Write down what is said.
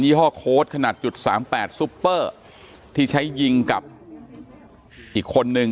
ี่ห้อโค้ดขนาดจุดสามแปดซุปเปอร์ที่ใช้ยิงกับอีกคนนึง